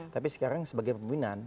tapi sekarang sebagai pembinaan